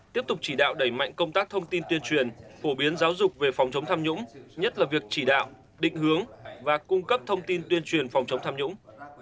tiếp tục chỉ đạo đẩy mạnh công tác thông tin tuyên truyền phổ biến giáo dục về phòng chống tham nhũng nhất là việc chỉ đạo định hướng và cung cấp thông tin tuyên truyền phòng chống tham nhũng